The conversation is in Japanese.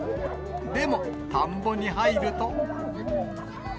でも、田んぼに入ると。